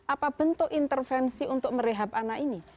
apa bentuk intervensi untuk merehab anak ini